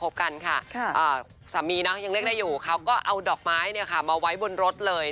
สามีนะยังเล็กได้อยู่ก็เอาดอกไม้มาไว้บนรถเลย